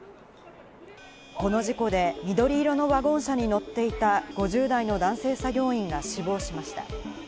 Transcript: この事故で緑色のワゴン車に乗っていた５０代の男性作業員が死亡しました。